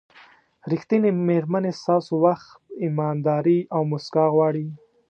ریښتینې مېرمنې ستاسو وخت، ایمانداري او موسکا غواړي.